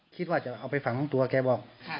คิดว่าจะเอาไปฝังตัวแกบอก